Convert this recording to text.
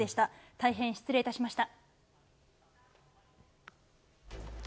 大変失礼いたしました。